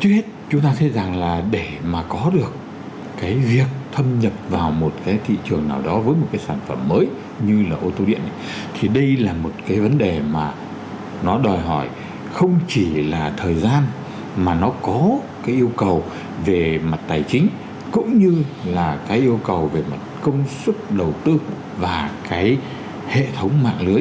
trước hết chúng ta thấy rằng là để mà có được cái việc thâm nhập vào một cái thị trường nào đó với một cái sản phẩm mới như là ô tô điện thì đây là một cái vấn đề mà nó đòi hỏi không chỉ là thời gian mà nó có cái yêu cầu về mặt tài chính cũng như là cái yêu cầu về mặt công suất đầu tư và cái hệ thống mạng lưới